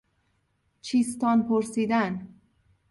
چیستان پرسیدن